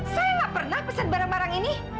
saya nggak pernah pesan barang barang ini